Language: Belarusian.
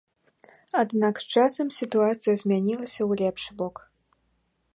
Аднак з часам сітуацыя змянілася ў лепшы бок.